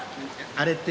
それって？